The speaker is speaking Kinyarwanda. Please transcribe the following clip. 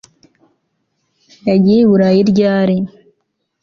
yagiye i burayi ryari